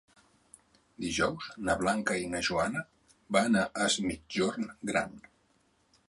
Dijous na Blanca i na Joana van a Es Migjorn Gran.